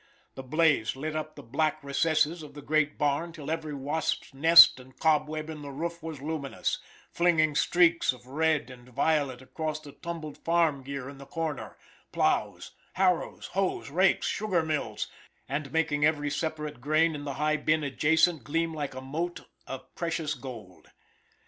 The blaze lit up the black recesses of the great barn till every wasp's nest and cobweb in the roof was luminous, flinging streaks of red and violet across the tumbled farm gear in the corner, plows, harrows, hoes, rakes, sugar mills, and making every separate grain in the high bin adjacent, gleam like a mote of precious gold.